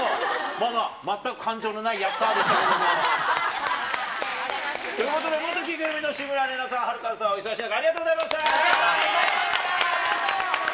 まあまあ、全く感情のないやったーでしたけれども。ということで、元キグルミのレナさん、ハルカさん、お忙しい中、ありがとうござありがとうございました。